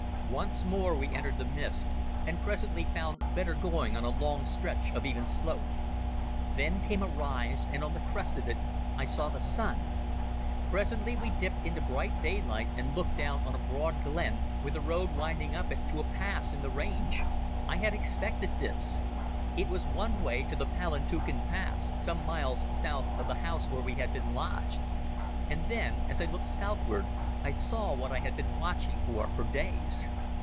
Once more we entered the mist, and presently found better going on a long stretch of even slope. Then came a rise, and on the crest of it I saw the sun. Presently we dipped into bright daylight and looked down on a broad glen, with a road winding up it to a pass in the range. I had expected this. It was one way to the Palantuken pass, some miles south of the house where we had been lodged. And then, as I looked southward, I saw what I had been watching for for days.